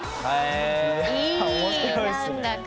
いい何だか。